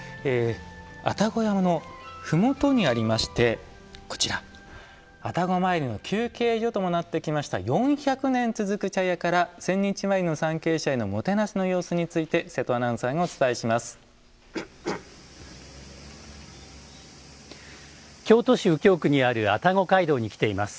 愛宕山のふもとにありましてこちら愛宕詣りの休憩所ともなってきました４００年続く茶屋から千日詣りの参詣者のもてなしの様子について京都市右京区にある愛宕街道に来ています。